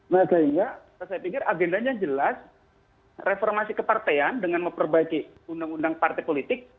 nah sehingga saya pikir agendanya jelas reformasi kepartean dengan memperbaiki undang undang partai politik